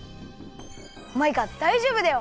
マイカだいじょうぶだよ！